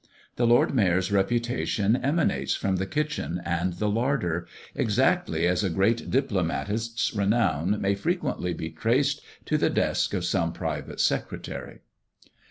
The Lord Mayor's reputation emanates from the kitchen and the larder, exactly as a great diplomatist's renown may frequently be traced to the desk of some private secretary.